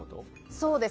そうです。